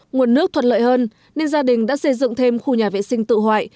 nguồn nước thuận lợi hơn nên gia đình đã xây dựng thêm khu nhà vệ sinh tự hoại